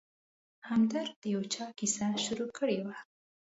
همدرد د یو چا کیسه شروع کړې وه.